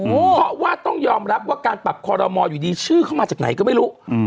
เพราะว่าต้องยอมรับว่าการปรับคอรมอลอยู่ดีชื่อเข้ามาจากไหนก็ไม่รู้อืม